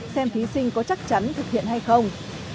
xem thí sinh có chắc chắn thực hiện hay không